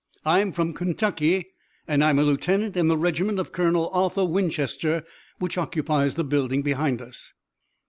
I'm from Kentucky, and I'm a lieutenant in the regiment of Colonel Arthur Winchester, which occupies the building behind us."